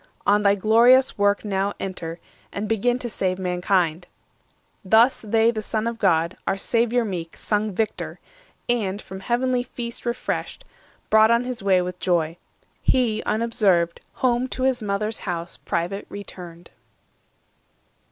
On thy glorious work Now enter, and begin to save Mankind." Thus they the Son of God, our Saviour meek, Sung victor, and, from heavenly feast refreshed, Brought on his way with joy. He, unobserved, Home to his mother's house private returned.